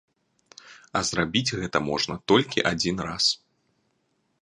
А зрабіць гэта можна толькі адзін раз.